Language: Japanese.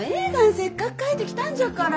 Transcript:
せっかく帰ってきたんじゃから。